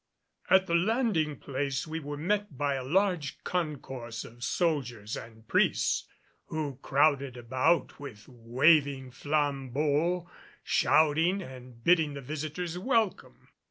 At the landing place we were met by a large concourse of soldiers and priests, who crowded about with waving flambeaux, shouting and bidding the victors welcome.